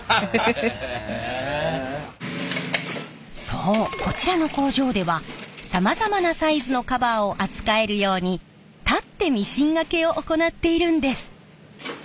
そうこちらの工場ではさまざまなサイズのカバーを扱えるように立ってミシン掛けを行っているんです。